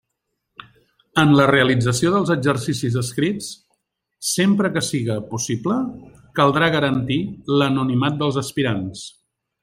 En la realització dels exercicis escrits, sempre que siga possible, caldrà garantir l'anonimat dels aspirants.